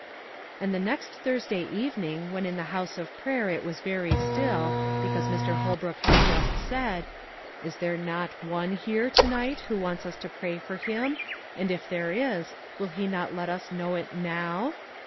And the next Thursday evening, when in the house of prayer it was very still, because Mr. Holbrook had just said, "Is there not one here to night who wants us to pray for him, and if there is, will he not let us know it now?"